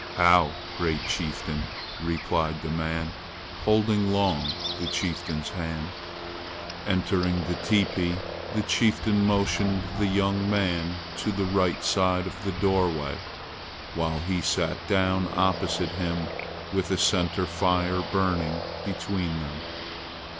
"How, great chieftain!" replied the man, holding long the chieftain's hand. Entering the teepee, the chieftain motioned the young man to the right side of the doorway, while he sat down opposite him with a center fire burning between them.